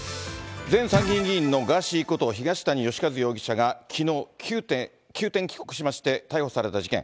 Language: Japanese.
前参議院議員のガーシーこと東谷義和容疑者がきのう、急転帰国しまして、逮捕された事件。